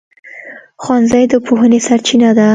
ښوونځی د پوهنې سرچینه ده.